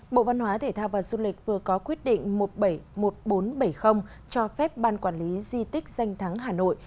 bộ văn hóa thể thao và du lịch vừa có quyết định một trăm bảy mươi một nghìn bốn trăm bảy mươi cho phép ban quản lý di tích danh thắng hà nội